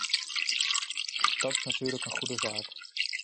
Dat is natuurlijk een goede zaak.